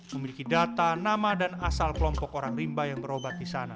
memiliki data nama dan asal kelompok orang rimba yang berobat di sana